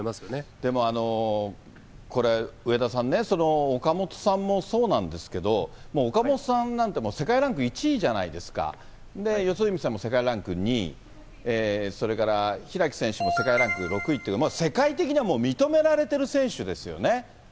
でも、これ上田さんね、岡本さんもそうなんですけど、岡本さんなんて、もう世界ランク１位じゃないですか、四十住さんも世界ランク２位、それから開選手も世界ランク６位という、世界的にはもう、認められてる選手ですよね。